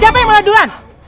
siapa yang mulai duluan